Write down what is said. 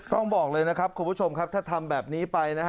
ต้องบอกเลยนะครับคุณผู้ชมครับถ้าทำแบบนี้ไปนะฮะ